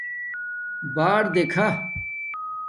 باردیکھ